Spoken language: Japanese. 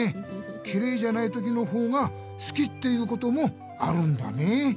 きれいじゃないときのほうがすきっていうこともあるんだねえ。